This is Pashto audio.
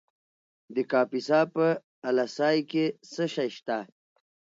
د کاپیسا په اله سای کې څه شی شته؟